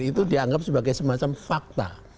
itu dianggap sebagai semacam fakta